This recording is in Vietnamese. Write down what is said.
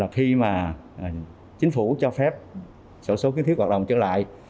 khi mà chính phủ cho phép sổ số kiến thiết hoạt động trở lại